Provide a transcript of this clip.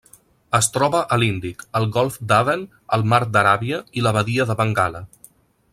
Es troba a l'Índic: el golf d'Aden, el mar d'Aràbia i la badia de Bengala.